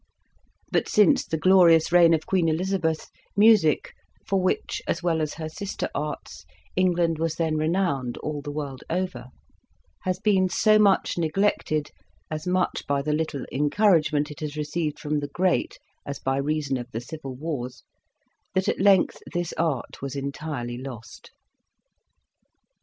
But since the glorious reign of Queen Elizabeth, music (for which, as well as her sister arts, England was then renowned all the world over) has been so much neglected, as much by the little encouragement it has received from the great as by reason of the civil wars, that at length this art was entirely lost."